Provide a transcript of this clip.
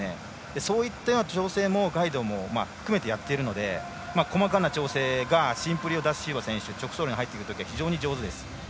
そういったような調整をガイドも含めてやっているので細かな調整がシンプリシオダシウバ選手直走路に入るとき、上手です。